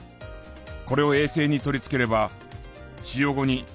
これを衛星に取り付ければ使用後に自力で大気圏へ。